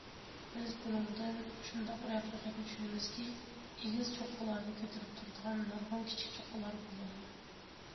بىز بۇنىڭدىن شۇنداق بىر ھەقىقەتنى چۈشىنىمىزكى، ئېگىز چوققىلارنى كۆتۈرۈپ تۇرىدىغان نۇرغۇن كىچىك چوققىلار بولىدۇ.